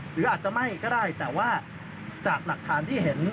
หรืออาจจะไหม้ก็ได้แต่ว่าจากหลักฐานที่เห็น